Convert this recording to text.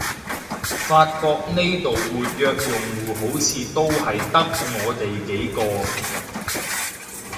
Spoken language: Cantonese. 發覺呢度活躍用戶好似都係得我哋幾個